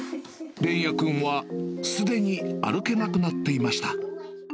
連也君はすでに歩けなくなっていました。